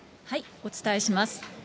お伝えします。